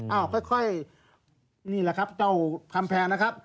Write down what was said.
ค่อยนี่แหละครับเจ้าคำแพงนะครับ